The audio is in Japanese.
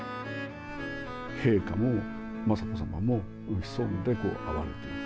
陛下も雅子さまも、潜んで会われていく。